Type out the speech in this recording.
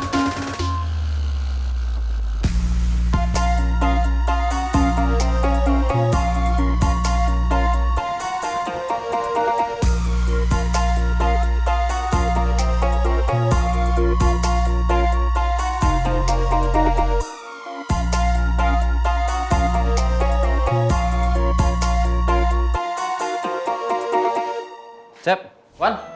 jaring terus jilin